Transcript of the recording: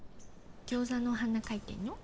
餃子のお花描いてんの？